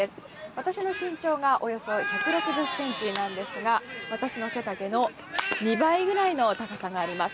私の身長がおよそ１６０ｃｍなんですが私の背丈の２倍ぐらいの高さがあります。